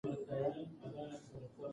ښوونځي د ماشومانو دویم کور دی.